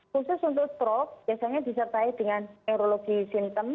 khusus untuk strok biasanya disertai dengan neurologi symptom